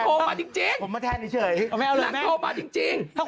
ผมมาแทนเฉยนางโทรมาจริง